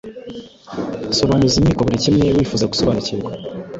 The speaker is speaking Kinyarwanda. Sobanuza Inkiko burikimwe wifuza gusobanukirwa